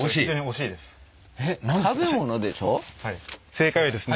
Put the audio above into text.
正解はですね